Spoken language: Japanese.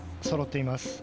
そろっています。